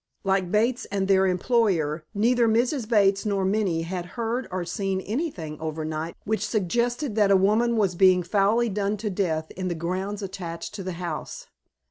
Like Bates and their employer, neither Mrs. Bates nor Minnie had heard or seen anything overnight which suggested that a woman was being foully done to death in the grounds attached to the house.